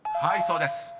［はいそうです］